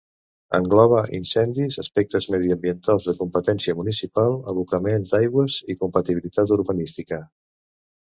Engloba incendis, aspectes mediambientals de competència municipal, abocaments d'aigües i compatibilitat urbanística.